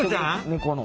猫の。